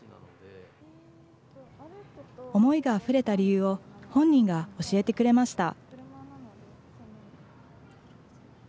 思いがあふれた理由を本人が教えてくれました。